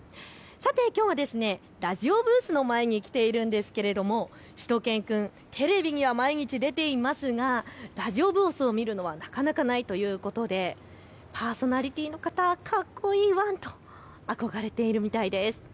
きょうはラジオブースの前に来ているんですけれどもしゅと犬くん、テレビには毎日出ていますがラジオブースを見るのはなかなかないということでパーソナリティーの方、かっこいいワンと憧れているみたいです。